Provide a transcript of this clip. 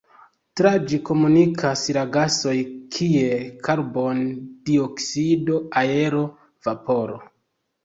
Tra ĝi komunikas la gasoj kiel karbon-dioksido, aero, vaporo.